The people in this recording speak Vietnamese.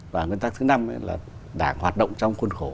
và nguyên tắc thứ năm là đảng hoạt động trong khuôn khổ